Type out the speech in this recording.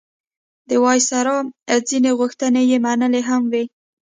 د وایسرا ځینې غوښتنې یې منلي هم وې.